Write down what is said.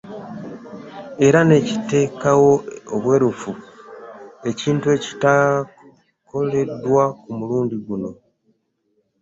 Era ne kiteekawo obwerufu, ekintu ekitakoleddwa ku mulundi guno.